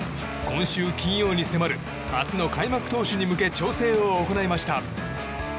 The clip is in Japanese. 今週金曜に迫る初の開幕投手に向け調整を行いました。